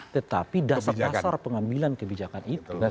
tetapi dasar dasar pengambilan kebijakan itu